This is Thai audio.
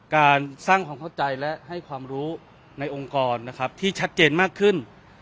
การสร้างความเข้าใจและให้ความรู้ในองค์กรนะครับที่ชัดเจนมากขึ้น